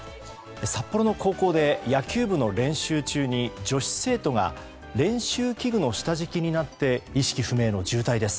札幌の高校で野球部の練習中に女子生徒が練習器具の下敷きになって意識不明の重体です。